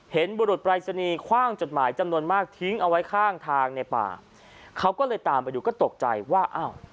บุรุษปรายศนีย์คว่างจดหมายจำนวนมากทิ้งเอาไว้ข้างทางในป่าเขาก็เลยตามไปดูก็ตกใจว่าอ้าว